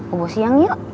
obos siang yuk